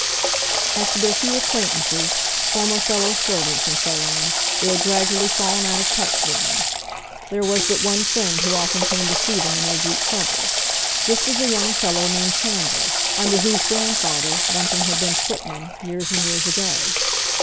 As to their few acquaintances, former fellow servants, and so on, they had gradually fallen out of touch with them. There was but one friend who often came to see them in their deep trouble. This was a young fellow named Chandler, under whose grandfather Bunting had been footman years and years ago.